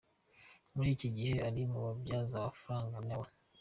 Muri iki gihe ari mu babibyaza amafaranga na we.